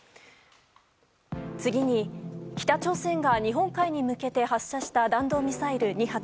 次に北朝鮮が日本海に向けて発射した弾道ミサイル２発。